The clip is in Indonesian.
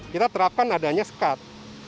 kita terapkan adanya skat